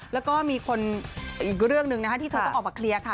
และมีคนอีกเรื่องนึงที่ต้องเข้ามาเคลียร์ค่ะ